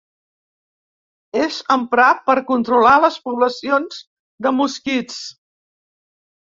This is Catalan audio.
És emprar per controlar les poblacions de mosquits.